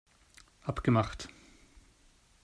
Abgemacht!